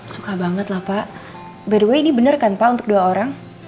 suka banget lah pak by the way ini bener kan pak untuk dua orang